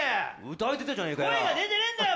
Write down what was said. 歌えてたじゃねえかよ。